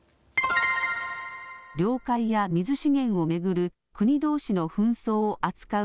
領海や水資源を巡る国どうしの紛争を扱う